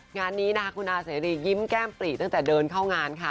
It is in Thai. งานนี้นะคะคุณอาเสรียิ้มแก้มปลีตั้งแต่เดินเข้างานค่ะ